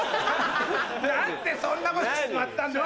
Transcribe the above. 何でそんなことしちまったんだよ！